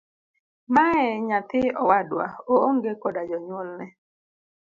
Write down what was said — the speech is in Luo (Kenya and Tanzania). Mae nyathi owadwa oong'e koda jonyuolne.